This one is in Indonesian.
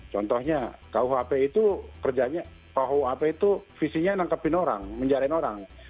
contohnya kuhp itu kerjanya kuhp itu visinya menangkap orang menjarahkan orang